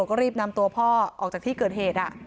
ก็รีบนำตัวพ่อออกจากที่เกิดเหตุ